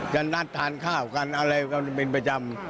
นัดทานข้าวกันอะไรกันเป็นประจำ